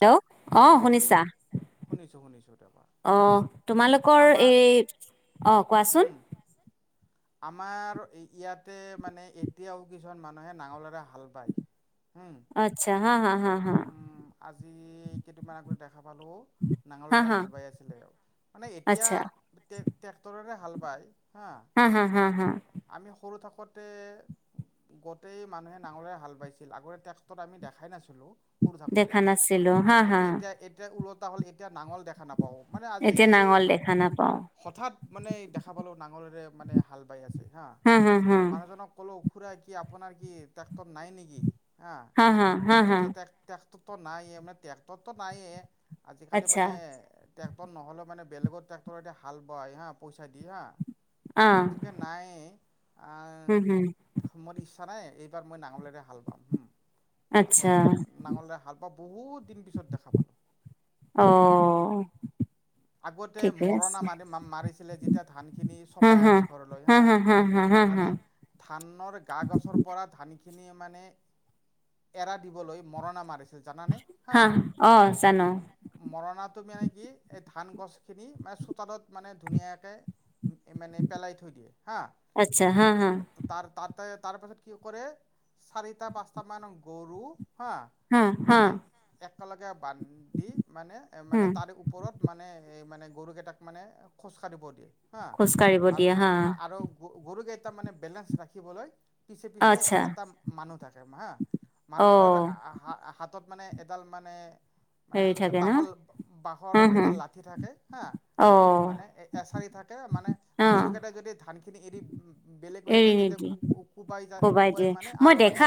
Hello অ শুনিছা? শুনিছো শুনিছো তাৰপা অ তোমালোকৰ আমাৰ এই অ' কোৱাচোন। উম আমাৰ ইয়াতে মানে এতিয়াও কিছুমান মানুহে নাঙলেৰে হাল বাই। আচ্ছা হা হা হা হা। ি এই কেইটামান আগ দেখ [inaudible] াল হা নাঙলেৰে হা হাল বাই আছিলে মানে এতিয়াে্ আচ্ছা হা হা হা হা [inaudible] আমি সৰু থাক [unintelligible] গোটই মানুহে নাঙলেৰে হাল বাইছিল আগতে টেক্টত আমি দেখাই নাছিল সুৰু থাকোতে। [unintelligible] লো হা-হা। কুৰতা হ'ল এতিয়া নাঙল দেখা নাপাওঁ মানে আজি এতিয়া নাঙল দেখা নাপাও হঠাৎ মানে দেখা পালোঁ নাঙলেৰে মানে হাল বাই আছে হা, মানুহজনক ক'লো খুৰা কি আপোনাৰ কি টেক্টৰ নাই নেকি হা, হা হা অ, হা তে টেক-টেক্টৰ নায়ে মানে ট্ৰেক্টৰটো নায়ে আজিকালি আচ্ছা মানে ট্ৰেক্টৰ নহ'লেও মানে বেলেগৰ ট্ৰেক্টৰে দি হাল বোৱাই হা পইচা দি হা অঁ [unintelligible] নায়ে হুম হুম আহ, মোৰ ইচ্ছা নাই এইবাৰ মই নাঙলে এ হাল বাও আচ্ছা পাছত নাঙলেৰে হাল বাও বহুত দিন পিছত দেখা পালোঁ অ', আগতে ঠিকে মৰণা আছে মাৰি মাৰিছিলে যেতিয়া ধান খিনি হা চপাই হা আনে ঘৰলৈ হা মানে ধানৰ গা-গছৰ পৰা ধানি কিনিয়ে মানে এৰা দিবলৈ মৰণা মাৰিছ জানা নে হা অঁ জানো মৰণাটো মানে কি এই ধান গছখিনি মানে চোতালত মানে ধুনীয়াকে মানে পেলাই থৈ দিয়ে হা আচ্ছা হা হা তাৰ তাতে তাৰ পাছত কি কৰে চাৰিটা, পাঁচটা মান গৰু হা হা হা মানে একেলগে বান্ধি মানে-মানে হুম তাৰ উপ মানে এই মানে গৰুকেইটাক মানে খোজকাঢ়িব দিয়ে হা খোজ কাঢ়িব দিয়ে হা আৰু গৰুকেইটা মানে বেলেঞ্চ ৰাখিবলৈ পিছে-পিছে আচ্ছা এটা মানুহ থাকে হা অঁ মানুহজনৰ হা- হাতত মানে এডাল মানে মানে হেৰি মানে থাকে ন বাহল বাহ হা হা এডাল লঠি থাকে হাঁ অ মানে অ এছাৰি থাকে মানে গৰু কেইটাই যদি খিনি এৰি বেলেগলে এৰি যায় তেতিয়া নিদিয়ে কো কোবাই যায় কোবাই মানে আৰু মানে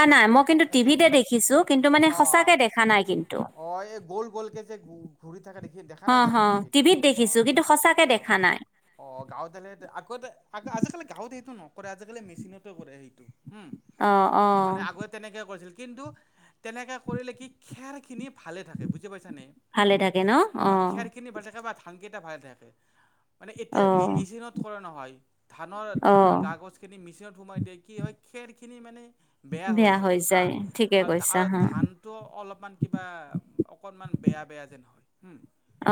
এইটো তে দেখিছো কিন্তু মানে অঁ সঁচাকে দেখা নাই কিন্তু অঁ এই গ'ল গ'লকৈ যে ঘূৰি থাকে দেখি দেখা নাই হ'ব জানো হ' টিভিত অঁ দেখিছো কিন্তু সঁচা অঁ, গাঁৱতে হে আগতে আ আজিকালি গাঁৱত সেই ওম কৰে আজিকালি মেচিনত কৰে সেইটো। ওম অ অ মানে আগ তেনেকে কৰিছিল কিন্তু তেনেকে কৰিলে কি খেৰ খিনি ভালে থাকে বুজি পাইছা নে? হম ভালে থাকে ন অ অঁ খেৰ খিনি ভালে থাকে বা ধান কেইটা ভালে থাকে মানে অ এতিয়া মে মেচিনত কৰা নহয় ধানৰ অ ধানৰ গা গছ খিনি মেচিনত সোমাই দিয়ে কি হয় খেৰ খিনি মানে বেয়া হৈ যায়। হা আৰু না ধানতো অলপমান কিবা অকনমান বেয়া বেয়া যেন হয়।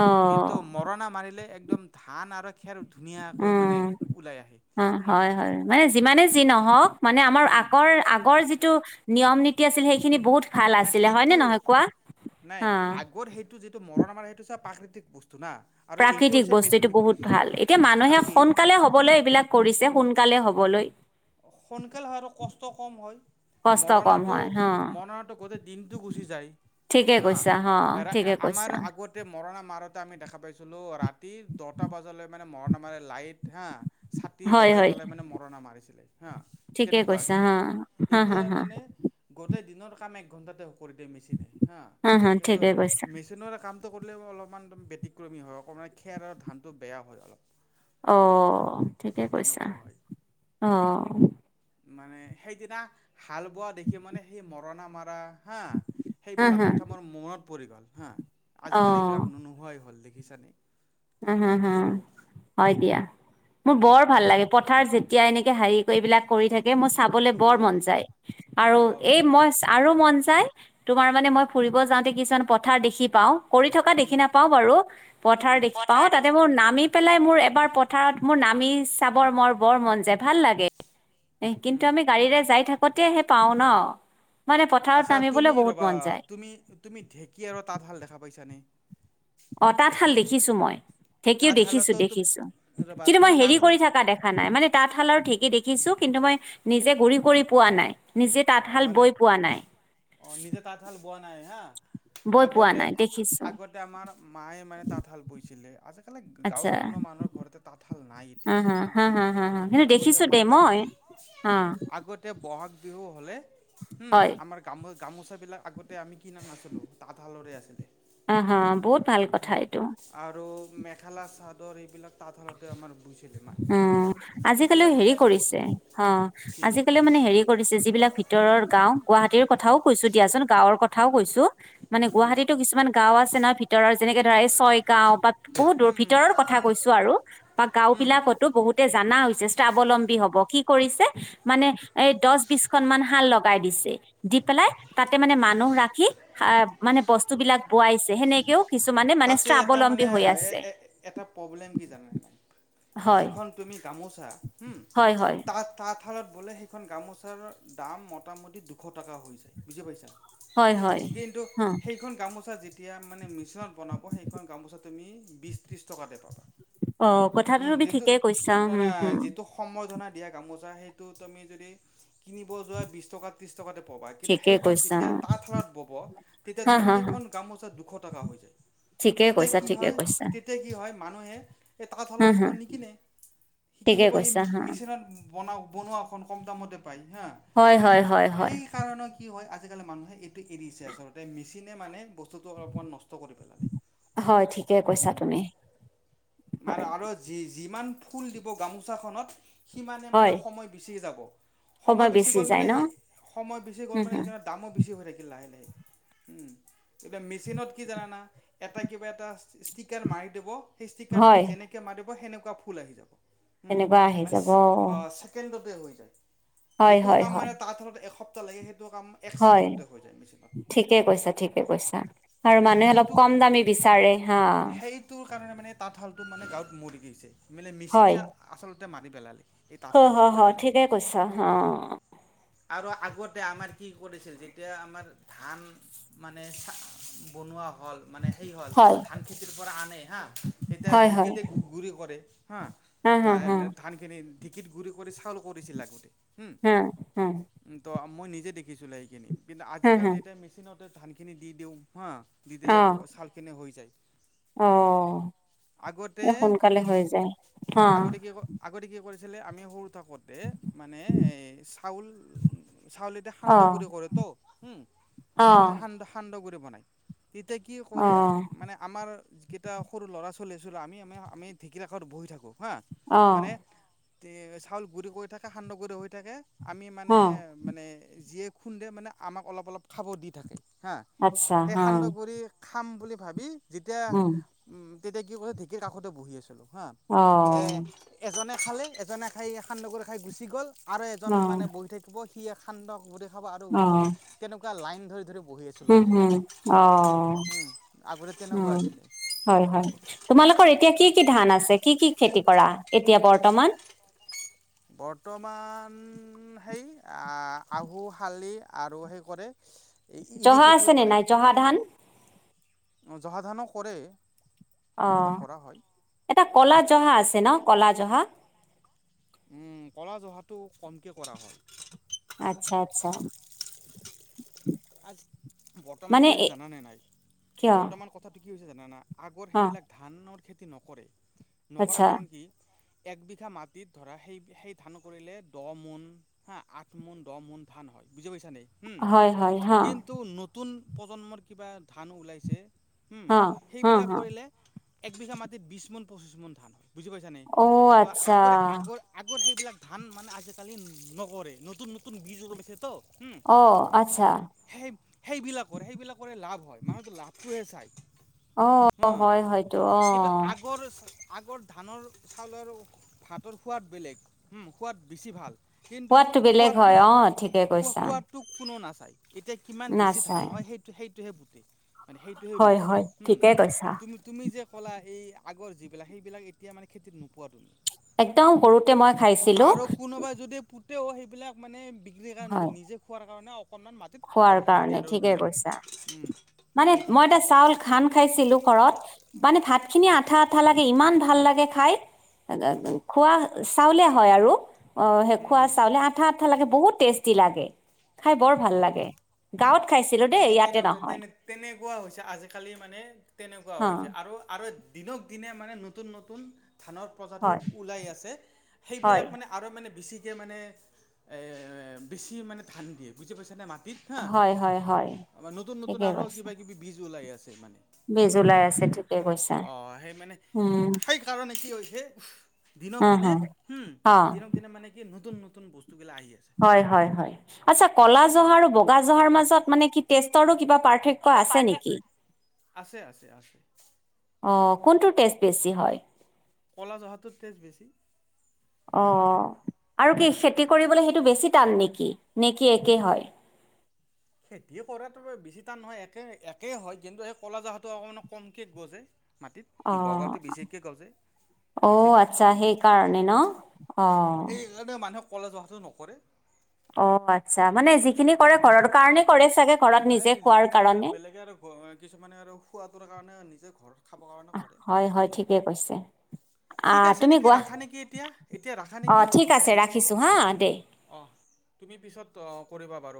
অ কিন্তু মৰণা মাৰিলে একদম ধান আৰু খেৰ ধুনীয়াকৈ মানে উম ওলাই আহে অঁ হুম হয় হয় মানে যিমানে যি নহওক মানে আমাৰ উম আকৰ আগৰ যিটো নিয়ম নীতি আছিল সেইখিনি বহুত ভাল নাই আছিলে হয়নে সেইটো নহয় কোৱা অঁ একো যিটো মৰণ আম সেইটো হৈছে প্ৰাকৃতিক বস্তু না আৰু এইটো প্ৰাকৃতিক হৈছে মিচ বস্তু এইটো বহুত ভাল। এতিয়া আৰু মানুহে এই সোনকালে হ'বলৈ এইবিলাক কৰিছে সোনকালে হ'ব হবলৈ ত কম হয় কষ্ট কম হয় হ মৰণাটো-মৰণাটো গোটেই দিনটো গুচি যায়। ঠিকে হা কৈছা অ' ঠিকে কৈছা। মাৰতে আমি দেখা পাইছিলো ৰাতি দহটা বজালৈ মানে মৰণা মাৰে লাইট হা। ছাটি হয় হয় জ্বলাই-জ্বলাই মানে মৰণা মাৰিছিলে। হা ঠিকে তেনেকুৱা কৈছা আছিলে হা হা হা এতিয়া হা মানে গোটেই দিনৰ কাম এক ঘণ্টাতে হয়। কৰি দিয়ে‌ মেছিনে হা হা সেইটো ঠিকে কৈছা মেছিনৰ কাম। কৰিলেও অলপমান ব্যতিক্ৰমী হয় অকমান খেৰ আৰু ধানতটো বেয়া হয় অলপ। অ' ঠিকে কৈছা তেনেকুৱা হয় অহ, মানে সেইদিনা হাল বোৱা দেখি মানে সেই মৰণা মাৰা হা হা সেইবিলাক হা কথা মোৰ মনত পৰি গ'ল হা অ আজিকালি এইবিলাক নো নোহোৱাই হ'ল দে ছানে। উ হম হ হয় দিয়া মোৰ উম বৰ ভাল লাগে পথাৰ যে এতিয়া এনেকে হেৰি কৰি এইবাক কৰি থাকে মই চাবলৈ বৰ উম মন যায় আৰু অঁ এই মই আৰু মন যায়। তোমাৰ মানে মই ফুৰিব যাওঁতে কিছুমান পথাৰ দেখি পাও। কৰি থকা দেখি উম নাপাওঁ বাৰু পথাৰ উম দেখি পাও তাতে মোৰ নামি পেলাই মোৰ এবাৰ পথাৰত মোৰ নামি চাবৰ মোৰ বৰ মন যায় ভাল লাগে। এ কিন্তু উম আমি গাড়ীৰে যাই থাকোতেহে পাও ন। মানে পথাৰত আচ্ছা, নামিবলৈ তুমি বহুত ৰবা মন যায় তুমি-তুমি ঢেঁকী আৰু তাঁতশাল দেখা পাইছানে। অ, তাঁতশাল দেখিছো মই। ঢেঁকীও তাঁতশালতো তুম দেখিছো-দেখিছো ৰ'বা কিন্তু মই তুমি হেৰি তাঁতশালত কৰি থকা দেখা নাই মানে তাঁতশালৰ ঢেঁকী দেখিছো কিন্তু কিন্তু মই নিজে গুৰি কৰি পোৱা নাই নিজে অঁ তাঁতশাল বৈ মানে পোৱা নাই। পোৱা নাই হা বৈ পোৱা নাই দেখিছো আগতে-আগতে আমাৰ মায়ে মানে তাঁতশাল বৈছিলে। সে গাঁৱৰ আচ্ছা কোনো মানুহৰ ঘৰতে তাঁতশাল নাই এতিয়া হা হা হা কিন্তু আগতে দেখিছো মাই দেই তাত মই অ আগতে বহাগ বিহু হলে হম হয় আমাৰ গামো গামোচাবিলাক আগতে আমি কিনা নাছিলোঁ তাঁতশালৰে আছিলে। অ' হ বহুত ভাল কথা এইটো। আৰু মেখেলা চাদৰ এইবিলাক তাঁতশালতে আমাৰ বৈছিলে মায়ে অ, এতিয়া আজিকালিও হেৰি মানে কৰিছে অহ, কি আজিকালিও মানে হেৰি কৰিছে যিবিলাক ভিত ভিতৰৰ গাঁও গুৱাহাটীৰ কথাও কৈছো দিয়াচোন গাঁৱৰ কথাও কৈছো মানে উম গুৱাহাটীতো কিছুমান গাঁও আছে না ভিতৰ যেনেকে ধৰা এই ছয়, গাও বা বহুত দূৰ উম উম ভিতৰৰ কথা কৈছো আৰু বা গাঁও উম বিলাকতো বহুতে জানা হৈছে স্বাৱলম্বী হব কি কৰিছে মানে এই দচ বিচ খন মান হাল লগাই দিছে। দি পেলাই তাতে মানে মানুহ ৰাখি সাহ মানে বস্তু বিলাক বোৱাইছে সেনেকেও, কিছুমানে মানে তাতে এটা স্বাৱলম্বী মানে হৈ আছে এটা প্ৰব্লেম কি জান নাই হয় যিখন তুমি গামোচা উম, হয় হয় তাত-তাত শালত বোলে সেইখন গামোচাৰ দাম মোটামুটি দুশ টকা হৈ যায় বুজি পাইছা। হয় উম, হয় কিন্তু হ সেইখন গামোচা যেতিয়া মানে মিছন বনাব সেইখন গামোচা তুমি বি ত্ৰিছ টকাতে পাবা। অ, কথাটো হুম তুমি যিটো ঠিকেই কৈছা না না হম-হম, যিটো সম্বৰ্ধনা দিয়া গামোচা সেইটো তুমি যদি কিনিব যোৱা বিছ টকা ত্ৰিছ টকা তে পাবা কিন্তু ঠিকে সেইখন কৈছা যেতিয়া তাৰাত বব তেতিয়া হা তোমাৰ হা হা সেইখন গামোচা দুশ টকা হৈ যায়। ঠিকে তেতিয়া কৈছা কি ঠিকে হয় কৈছা তেতিয়া কি হয় মানুহে এই হা তাঁতশালৰ হা সেইখন নিকনে। সি ঠিকে কিনিব সি কৈছা হা মেচিনত বনা বনোৱাখন ক ম দামতে হা হয় মানে হয় হয় হয় সেই কানৰে কি হয় আজিকালি মানুহে এৰিছে আচলতে মেচিনে মানে বস্তুতটো অলপমান নষ্ট কৰি পেলাই। হয় ঠিকে কৈছা তুমি মানে হয়। আৰু যি যিমান ফুল দিব গামোচাখনত সিমানে মানে হয় সময় বিচি যাব। সময় বেছি গ'ল মানে সেই সময় বেছি গ'ল হম মানে হম সেইকাৰণে দামো বেছি হৈ থাকিল লাহে-লাহে। উম এতিয়া মেচিনত কি জানানা এটা কিবা এটা ষ্টিকাৰ মাৰি দিব সেই ষ্টিকাৰটো হয় যেনেকে মাৰিব সেনেকুৱা ফুল আহি যাব এনেকুৱা আহি যাব য হয় যিটো হয় কাম হয় মানে তাত হ এসপ্তাহ লাগে সেইটো কাম এক হয় ছেকেণ্ডতে হৈ যায় মেচিনত। ঠিকে কৈছা ঠিকে কৈছা আৰু মানুহে অলপ কম দামী বিচাৰে হা সেইটো কাৰণে মানে তাঁতশালতো মানে গাঁৱত মৰি গৈছে মানে মেচিনে হয় আচলতে মাৰি পেলালে এই হ হ তাঁতশালটোক হ লাহে লাহে ঠিকে কৈছা অ আৰু আগতে আমাৰ কি কৰিছিল যেতিয়া আমাৰ ধান মানে চা বনোৱা হ'ল মানে সেই হ'ল হয় ধান খেতিৰ পৰা আনে হা তেতিয়া হয় হয় ঢেঁকীতে গুৰি কৰে হা হা হা হা ধানে ধান খিনি ঢেঁকত গুৰি কৰি চাউল কৰিছিল আগতে হুম হ হ তো মই নিজে দেখিছিলোঁ সেইখিনি কিন্তু হা আজিকালি এতিয়া মেচিনতে ধানখিনি দি দিওঁ অ কেনে হৈ যায় অহ আগতে এ কি সোনকালে কৰে হৈ যায় আহা আছিলে আমি সৰু থাকোতে মানে এ চাউল চাউলতে সান্দহ অ', গুৰি কৰে ত উম অ', সান্দহ সান্দহ গুৰি বনাই এয়া কি কৰে অ', মানে আমাৰ যিকেইটা সৰু ল'ৰা ছ চলিছিলো আমি আমি আমি ঢেঁকীৰাখত বহি থাকো হা অ', মানে তে চাউল গুৰি কৰি থাকে সান্দহ গুৰি হৈ থাকে আমি মানে অ', মানে যিয়ে খুন্দে মানে আমাক অলপ অলপ খাব দি থাকে আত্ছা হা কৰি খাম বুলি ভাবি যেতিয়া উম, উম তেতিয়া কি কছ ঢেঁকীৰ কাষতে বহি আছিলো হা এ অ', এজনে খালে এজনে খাই সান্দগুৰে খাই গুচি গ'ল আৰু এজন অ', মানে বহি থাকিব সি সান্দহ ঘৰি খাব আৰু উচি যাব অ', তেনেকুৱা লাইন ধৰি ধৰি বহি আছো হুম, হুম, লাগমি অ উ আছিলে হয় হয় তোমালোকৰ এতিয়া কি কি কি ধান আছে কি কি খেতি কৰা এতিয়া বৰ্তমান বৰ্তমান হেই আহু শালি আৰু সেই কৰে এই ইৰি জহা খেতি আছেনে কৰে নাই জহা ধান জহাধানো কৰে অ এইবিলাক কৰা হয় এটা কলা জহা আছে ন কলা জহা উম কলা জহাটো কমকে কৰা হয় আচ্ছা আচ্ছা আ বৰ্তমান কি মানে হৈছে এ জানানে নাই কিয়? বৰ্তমান কথাটো কি হৈছে জানানাই আগৰ অ', সেইবিলাক ধানৰ খেতি নকৰে নকৰা আচ্ছা, কাৰণ কি এক বিঘা মাটিত ধৰা সেই সেই ধান কৰিলে দহ মোন হা আঠ মোন দহ মোন ধান হয় বুজি পাইছা নে হম হয়, হয়, হা, কিন্তু নতুন প্ৰজন্মৰ কিবা ধান ওলাইছে উম হা, হা, সেইবিলাক হা, কৰিলে একবিঘা মাটিত বিশ মোন পঁচিশ মোন ধান হয় বুজি পাইছা নে অ', ত আচ্ছা। আগ আগ আগৰ সেই এইবিলাক ধান মানে আজিকালি নকৰে নতুন নতুন বীজ পছে তো অ আচ্ছা সেই সেইবিলাকৰ সেইবিলাকৰে লাভ হয় মানুহৰ লাভটোহে চায় অ হা হয় হয়তো অ কিন্তু আগৰ আগৰ ধানৰ চাউলৰ ভাতৰ সোৱাদ বেলেগ সোৱাদ বেছি ভাল সোৱাদটো বেলেগ হয় অ ঠিকে সোৱা কৈছা সোৱাদটো কোনো নাচায় এতিয়া কিমান বেছি ধান নাচাই হয় সেইটো সেইটোহে পুট মানে সেইটোহে হয় হয় ৰৰুোৱে ঠিকে কৈছা তুমি তুমি যে ক'লা এই আগৰ যিবিলাক সেইবিলাক এতিয়া মানে খেতিত নোপোৱাতো নাই একদম সৰুতে মই খাইছিলো। ও সেইবিলাক মানে বিক্ৰীৰ কাৰণে হয় নিজে খোৱাৰ কাৰণে অকণমান মতিত খোৱাৰ আৰু সেইখিনি কাৰণে আৰু ঠিকে ৰুৱে কৈছা উম, মানে সেইটোৱে মই এটা চাউল ঘান খাইছিলো ঘৰত। মানে ভাত খিনি আঠা - আঠা লাগে ইমান ভাল লাগে খাই খোৱা চাউলে হয় আৰু অ, শে হুম খোৱা হুম চাউলে আঠা - আঠা লাগে বহুত টেষ্টি লাগে। খাই বৰ ভাল অঁ লাগে গাৱত খাইছে। মানে তেনেকুৱা তেনে তেনেকুৱা হৈছে আজিকালি মানে তেনেকুৱা অ হৈছে আৰু। আৰু দিনক দিনে মানে নতুন - নতুন ধানৰ প্ৰজাতি হয় ওলাই আছে হয় সেইবিলাক মানে আৰু মানে বেছি। কে মানে বেছি মানে ধান দিয়ে বুজি পাইছ নে মাটিত হা হয় হয় হয় আমাৰ নতুন - নতুন আৰু কিবা কিবি বীজ ওলাই আছে। মানে বিজ লাই আছে ঠিকে কৈছা। অঁ মানে উম সেইকাৰণে কি হৈছে দিনক হা দিনে হা হম অ দিনক দিনে মানে কি ন নতুন- নতুন বস্তু হয় - হয় - হয়, আটচ্ছা ক'লা জহা আৰু বগা জহাৰ মাজত মানে কি টেষ্টৰো কিবা পাৰ্থক্য কিবা আছে নেকি পাৰ্থক্য, আছে - আছে - আছে। অ, কোনটো টেষ্ট বেছি হয়। ক'লা জহটোৰ টেষ্ট বেছি। অ, আৰু কি খেতি কৰিবলে সেইটো বেছি টান নেকি নে কি একেই হয়। [inaudible] খেতিয়ে কৰাটো বেছি টান নহয়, একে একে হয় কিন্তু সেই ক'লা জহাটো অকমান কমকে গজে মাটিত অ সি বৰগাঁওটো বেছিকে গজে বেছি অ' পায় আটচ্ছা ধানটো সেইকাৰণে ন, অ' কলেজ অহাটো নকৰে অ' আটচ্ছা মানে যিখিনি কৰে ঘৰৰ কাৰণেই কৰে চা এ, যিখিনি কৰে বেলেগে আৰু খো-কিছুমানে আৰু খোৱাটোৰ কাৰণে নিজে ঘৰ হয়, হয়, ঠিকে কৈছে। ঠিক আহ আছে তুমি নেকি, গুৱাহাটী ৰাখা নেকি এতিয়া, এতিয়া ৰাখা অঁ নেকি, ঠিক আছে নেকি? ৰাখিছোঁ হা দে তুমি পিছত ত' কৰিবা। বাৰু